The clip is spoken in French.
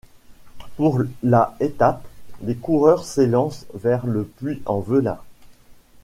Pour la étape, les coureurs s'élancent vers Le Puy-en-Velay.